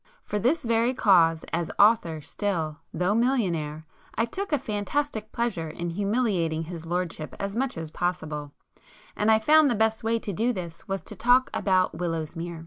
For this very cause as 'author' still, though millionaire, I took a fantastic pleasure in humiliating his lordship as much as possible, and I found the best way to do this was to talk about Willowsmere.